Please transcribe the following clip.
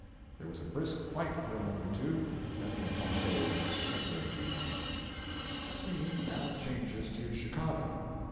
There was a brisk fight for a moment or two; then the attaches separated the men. The scene now changes to Chicago.